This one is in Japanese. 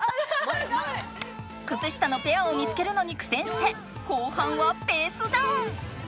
くつ下のペアを見つけるのに苦戦して後半はペースダウン。